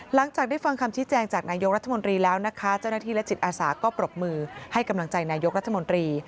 หลังจากได้ฟังคำชี้แจงจากนายกรัฐมนตรีแล้วนะคะเจ้าหน้าที่และจิตอาสาก็ปรบมือให้กำลังใจนายกรัฐมนตรี